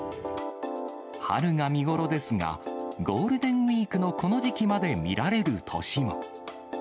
春が見頃ですが、ゴールデンウィークのこの時期まで見られる年も。